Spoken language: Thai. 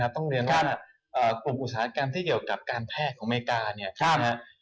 ต้องเรียนว่ากลุ่มอุตสาหกรรมที่เกี่ยวกับการแพทย์ของอเมริกาเนี่ย